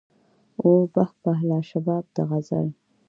وو به به لا شباب د غزل